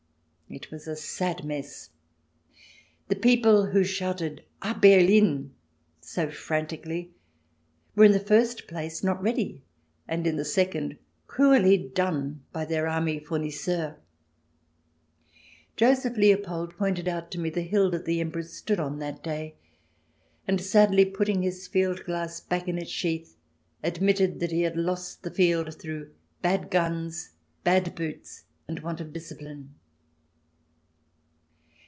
It was a sad mess ; the people who shouted A Berlin I so frantically were in the first place not ready, and in the second cruelly " done " by their army fournis seurs. Joseph Leopold pointed out to me the hill that the Emperor stood on that day, and, sadly put ting his field glass back in its sheath, admitted that he had lost the field through bad guns, bad boots, and want of discipline.